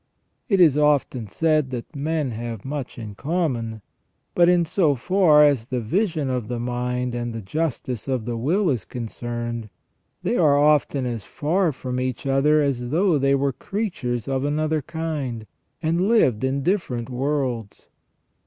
It is often said that men have much in common, but in so far as the vision of the mind and the justice of the will is concerned, they are often as far from each other as though they were creatures of another kind, and lived in different worlds.